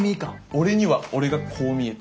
俺には俺がこう見えてる。